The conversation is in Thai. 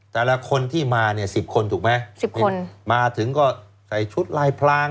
แต่ละคนที่มาเนี่ยสิบคนถูกไหมสิบคนมาถึงก็ใส่ชุดลายพลาง